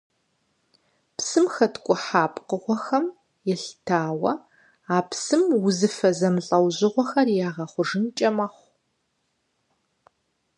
Псым хэткӀухьа пкъыгъуэхэм елъытауэ а псым узыфэ зэмылӀэужьыгъуэхэр ягъэхъужынкӀэ мэхъу.